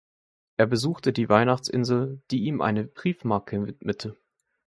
Er besuchte die Weihnachtsinsel, die ihm eine Briefmarke widmete.